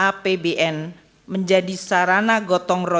dan juga menjelaskan bagaimana apbn menjadi suatu perjalanan yang berpengaruh